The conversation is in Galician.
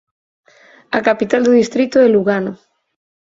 A capital do distrito é Lugano.